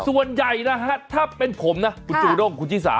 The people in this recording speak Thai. ส่วนใหญ่นะฮะถ้าเป็นผมนะกูจูนกคุณจีสา